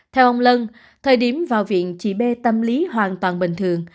theo ông lân thời điểm vào viện chị bê tâm lý hoàn toàn bình thường